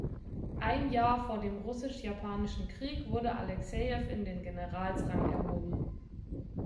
Ein Jahr vor dem Russisch-Japanischen Krieg wurde Alexejew in den Generalsrang erhoben.